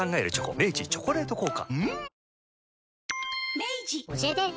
明治「チョコレート効果」